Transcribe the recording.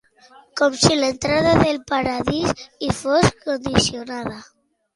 Com si l'entrada del paradís hi fos condicionada.